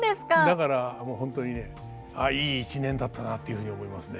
だからもうホントにねああいい一年だったなっていうふうに思いますね。